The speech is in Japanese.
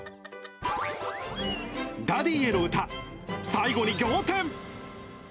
ダディへの歌、最後に仰天！